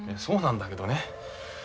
そうなんだけどね。